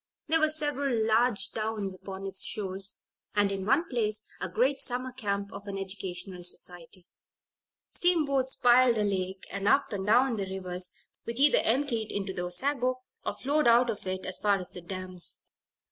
There were several large towns upon its shores, and, in one place, a great summer camp of an educational society. Steamboats plied the lake, and up and down the rivers which either emptied into the Osago, or flowed out of it, as far as the dams.